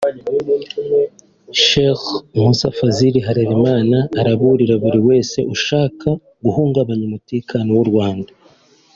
Cheikh Mussa Fasil Harerimana araburira buri wese ushaka guhungabanya umutekano w’u Rwanda